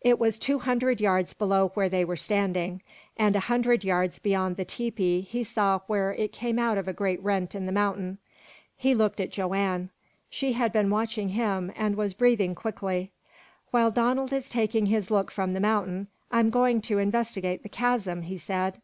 It was two hundred yards below where they were standing; and a hundred yards beyond the tepee he saw where it came out of a great rent in the mountain. He looked at Joanne. She had been watching him, and was breathing quickly. "While Donald is taking his look from the mountain, I'm going to investigate the chasm," he said.